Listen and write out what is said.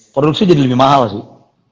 produksi jadi lebih mahal sih